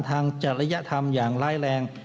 จริยธรรมอย่างร้ายแรง